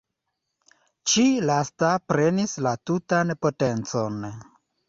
Ĉi lasta prenis la tutan potencon.